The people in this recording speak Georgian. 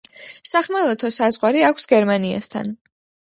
სახმელეთო საზღვარი აქვს გერმანიასთან.